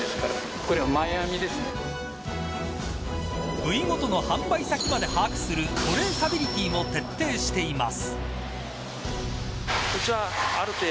部位ごとの販売先まで把握するトレーサビリティも徹底しています。